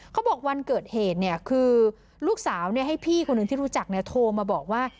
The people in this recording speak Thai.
เขาบอกวันเกิดเหตุเนี่ยคือลูกสาวเนี่ยให้พี่คนหนึ่งที่รู้จักเนี่ยโทรมาบอกว่า